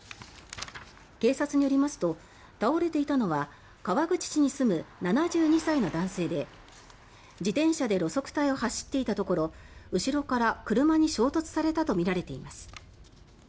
警察によりますと倒れていたのは川口市に住む７２歳の男性で自転車で路側帯を走っていたところ後ろから車に衝突されたとみられています。